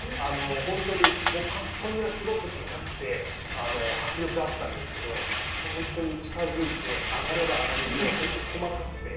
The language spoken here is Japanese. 本当にぱっと見は、すごくでかくて迫力あったんですけど、近づいて上がれば上がるほど、本当細かくて。